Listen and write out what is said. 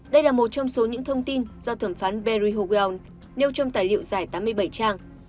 đây là một trong số những thông tin do thẩm phán barry hogan nêu trong tài liệu giải tám mươi bảy trang